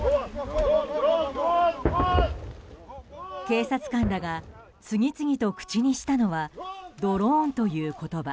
警察官らが次々と口にしたのはドローンという言葉。